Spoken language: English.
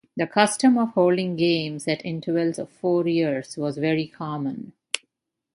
The custom of holding games at intervals of four years was very common.